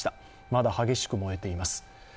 まだ激しく燃えています。